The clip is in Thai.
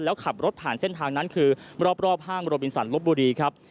แล้วขับรถผ่านเส้นทางนั้นคือรอบห้างโรบินสันลบบุรีครับ